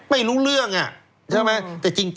ไม่รู้เรื่องอ่ะใช่ไหมแต่จริงนะ